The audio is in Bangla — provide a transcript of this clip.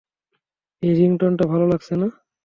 এই রিংটোনটা ভালো লাগছে না।